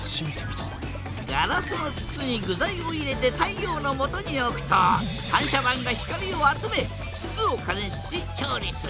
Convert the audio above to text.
ガラスの筒に具材を入れて太陽のもとに置くと反射板が光を集め筒を加熱し調理する。